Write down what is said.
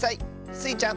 スイちゃん